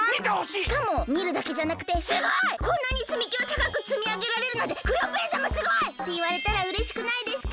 しかもみるだけじゃなくて「すごい！こんなにつみきをたかくつみあげられるなんてクヨッペンさますごい！」っていわれたらうれしくないですか？